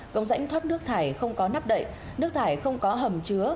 công dãnh thoát nước thải không có nắp đậy nước thải không có hầm chứa